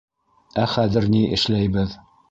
- Ә хәҙер ни эшләйбеҙ?